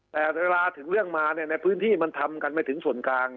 แต่เวลาถึงเรื่องมาในพื้นที่มันทำกันไม่ถึงส่วนกลาง